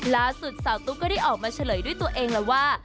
ล่าสุดสาวตุ๊กก็ได้ออกมาเฉลยด้วยตัวเองแล้วว่า